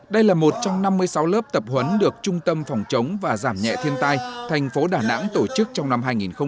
đây là một trong năm mươi sáu lớp tập huấn được trung tâm phòng chống và giảm nhẹ thiên tai thành phố đà nẵng tổ chức trong năm hai nghìn một mươi chín